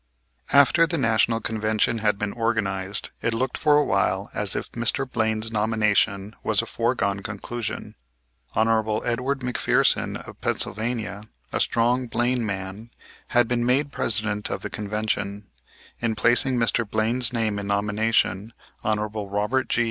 After the National Convention had been organized, it looked for a while as if Mr. Blaine's nomination was a foregone conclusion. Hon. Edward McPherson, of Pennsylvania, a strong Blaine man, had been made President of the Convention. In placing Mr. Blaine's name in nomination, Hon. Robert G.